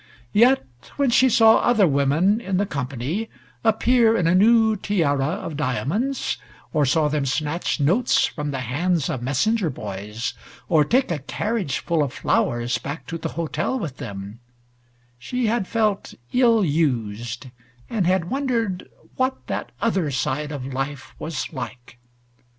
Yet when she saw other women in the company appear in a new tiara of diamonds, or saw them snatch notes from the hands of messenger boys, or take a carriage full of flowers back to the hotel with them, she had felt ill used, and had wondered what that other side of life was like.